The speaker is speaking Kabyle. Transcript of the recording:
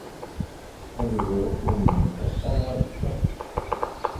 Ad iẓer ufur-nni ass-a neɣ azekka.